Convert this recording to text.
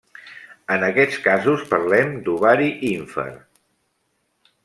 En aquests casos parlem d'ovari ínfer.